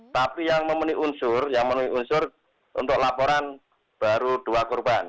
tapi yang memenuhi unsur untuk laporan baru dua korban